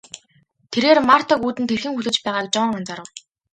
Тэрээр Мартаг үүдэнд хэрхэн хүлээж байгааг Жон анзаарав.